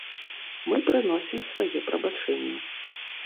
Мы прыносім свае прабачэнні.